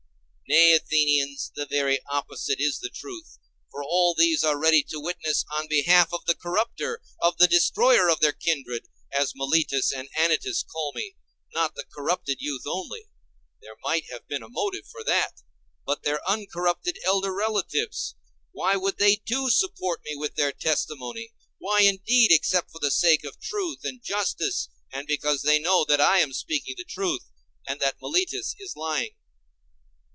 Nay, Athenians, the very opposite is the truth. For all these are ready to witness on behalf of the corrupter, of the destroyer of their kindred, as Meletus and Anytus call me; not the corrupted youth only—there might have been a motive for that—but their uncorrupted elder relatives. Why should they too support me with their testimony? Why, indeed, except for the sake of truth and justice, and because they know that I am speaking the truth, and that Meletus is lying.